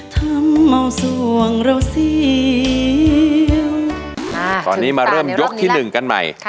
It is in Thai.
ตอนนี้มาเริ่มยกที่หนึ่งกันใหม่